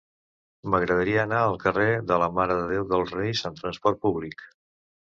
M'agradaria anar al carrer de la Mare de Déu dels Reis amb trasport públic.